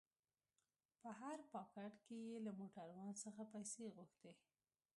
په هر پاټک کښې يې له موټروان څخه پيسې غوښتې.